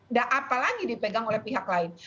nggak apa lagi dipegang oleh pihak lain